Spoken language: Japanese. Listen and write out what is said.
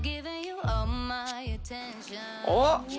おっ！